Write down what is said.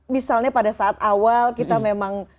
misalnya pada saat awal kita memang